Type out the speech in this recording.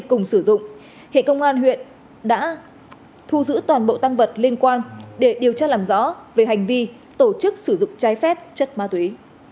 cùng sử dụng hệ công an huyện đã thu giữ toàn bộ tăng vật liên quan để điều tra làm rõ về hành vi tổ chức sử dụng trái phép chất ma túy